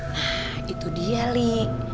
nah itu dia li